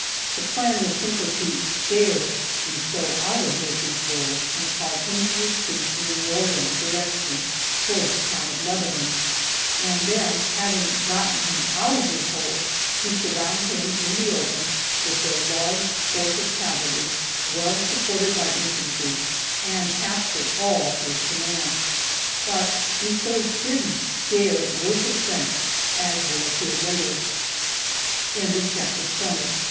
The plan was simply to "scare" Rousseau out of Murfreesboro, and cause him to retreat in a northerly direction towards the town of Lebanon, and then, having gotten him out of his hole, to surround him in the open with their large force of cavalry, well supported by infantry, and capture all his command. But Rousseau didn't "scare" worth a cent, as will appear later. CHAPTER XXI. THE